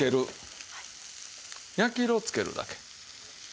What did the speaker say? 焼き色をつけるだけ。